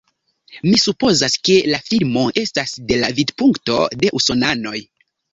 Mi supozas, ke la filmo estas de la vidpunkto de usonanoj